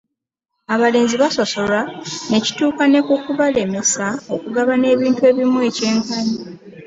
Abalenzi basosolwa ne kituuka ne ku kubalemesa okugabana ebintu ebimu ekyenkanyi.